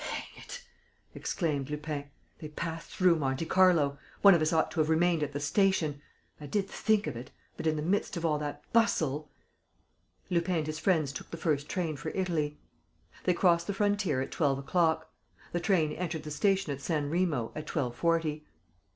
"Hang it!" exclaimed Lupin. "They passed through Monte Carlo. One of us ought to have remained at the station. I did think of it; but, in the midst of all that bustle...." Lupin and his friends took the first train for Italy. They crossed the frontier at twelve o'clock. The train entered the station at San Remo at twelve forty.